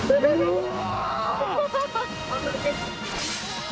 うわ！